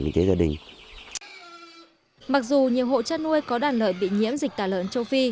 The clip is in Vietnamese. mặc dù nhiều hộ chân nuôi có đàn lợi bị nhiễm dịch tả lợn châu phi